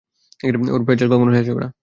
ওর পেঁচাল কখনও শেষ হবে না।